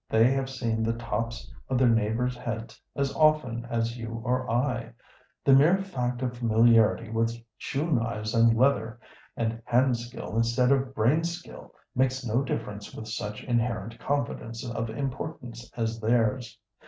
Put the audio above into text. They have seen the tops of their neighbors' heads as often as you or I. The mere fact of familiarity with shoe knives and leather, and hand skill instead of brain skill, makes no difference with such inherent confidence of importance as theirs.